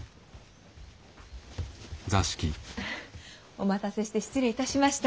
お待たせして失礼いたしました。